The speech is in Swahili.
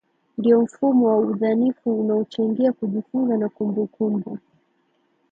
ndio mfumo wa udhanifu unaochangia kujifunza na kumbukumbu